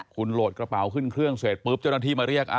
คุณโหลดกระเป๋าขึ้นเครื่องเสร็จปุ๊บเจ้าหน้าที่มาเรียก